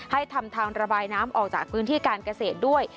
ให้ทำทางระบายน้ำออกจากพื้นที่การเกษตรด้วย